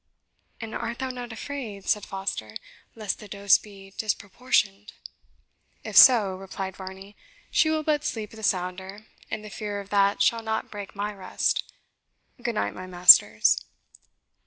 "And art thou not afraid," said Foster, "lest the dose be disproportioned?" "If so," replied Varney, "she will but sleep the sounder, and the fear of that shall not break my rest. Good night, my masters."